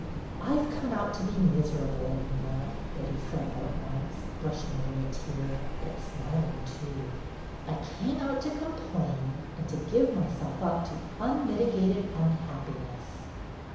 "I 've come out to be miserable, Edwyna," Betty said, all at once, brushing away a tear, but smiling too. " I came out to complain and to give myself up to unmitigated unhappiness."